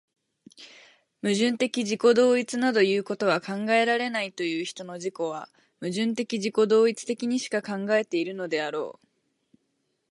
矛盾的自己同一などいうことは考えられないという人の自己は、矛盾的自己同一的にしか考えているのであろう。